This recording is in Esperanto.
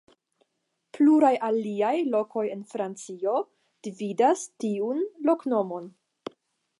Pluraj aliaj lokoj en Francio dividas tiun loknomon.